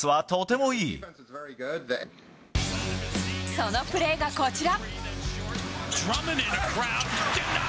そのプレーが、こちら。